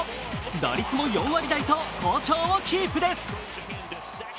打率も４割台と好調をキープです。